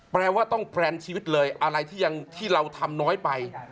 แปลว่าต้องแพลนชีวิตเลยอะไรที่ยังที่เราทำน้อยไป